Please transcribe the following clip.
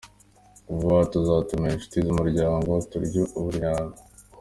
Vuba aha tuzatumira inshuti z’umuryango turye ubunnyano.